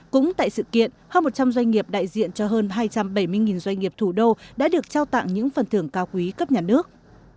cũng tại sự kiện hơn một trăm linh doanh nghiệp đại diện cho hơn hai trăm bảy mươi doanh nghiệp thủ đô đã được trao tặng những phần thưởng cao quý cấp nhà nước